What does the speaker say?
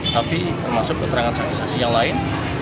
tapi termasuk keterangan saksi saksi yang lain